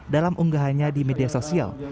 dalam unggahannya di media sosial